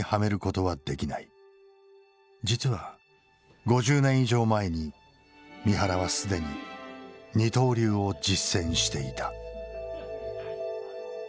実は５０年以上前に三原は既に二刀流を実践していた。